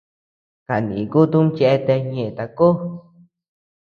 Kaniku tumi cheatea ñeʼe takó.